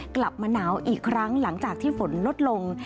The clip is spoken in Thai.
กลับมาหนาวอีกครั้งหลังจากที่ฝนลดลง